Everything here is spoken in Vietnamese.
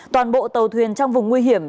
toàn bộ tàu thuyền trong vùng nguy hiểm